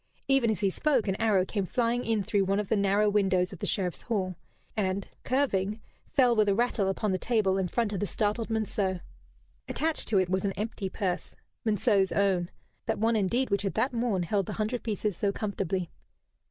Even as he spoke an arrow came flying in through one of the narrow windows of the Sheriff's hall, and, curving, fell with a rattle upon the table in front of the startled Monceux. Attached to it was an empty purse, Monceux's own that one indeed which had that morn held the hundred pieces so comfortably!